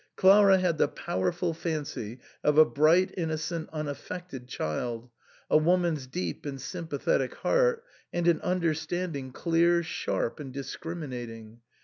Clara had the powerful fancy of a bright, innocent, unaffected child, a woman's deep and sympathetic heart, and an understanding clear, sharp, and discriminating.